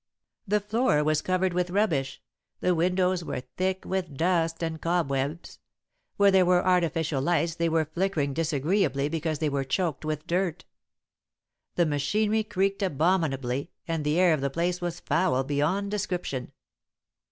"The floor was covered with rubbish, the windows were thick with dust and cobwebs; where there were artificial lights they were flickering disagreeably because they were choked with dirt; the machinery creaked abominably, and the air of the place was foul beyond description.